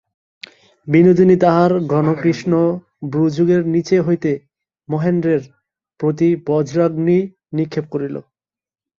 বিনোদিনী তাহার ঘনকৃষ্ণ ভ্রুযুগের নীচে হইতে মহেন্দ্রের প্রতি বজ্রাগ্নি নিক্ষেপ করিল।